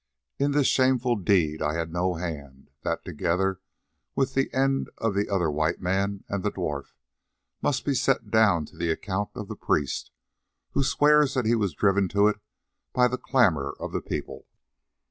In this shameful deed I had no hand; that, together with the end of the other white man and the dwarf, must be set down to the account of this priest, who swears that he was driven to it by the clamour of the people.